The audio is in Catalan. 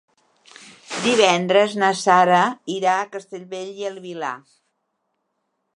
Divendres na Sara irà a Castellbell i el Vilar.